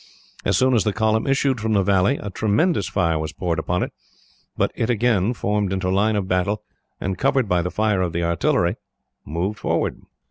As soon as the column issued from the valley, a tremendous fire was poured upon it, but it again formed into line of battle, and, covered by the fire of the artillery, moved forward.